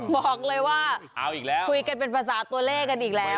บอกเลยว่าคุยกันเป็นภาษาตัวเลขกันอีกแล้ว